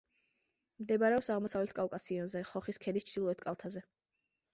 მდებარეობს აღმოსავლეთ კავკასიონზე, ხოხის ქედის ჩრდილოეთ კალთაზე.